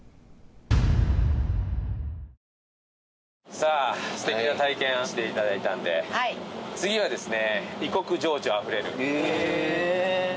さあすてきな体験をしていただいたんで次はですね。